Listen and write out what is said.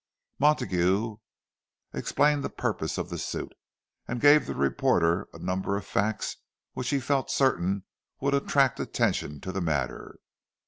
Montague explained the purpose of the suit, and gave the reporter a number of facts which he felt certain would attract attention to the matter.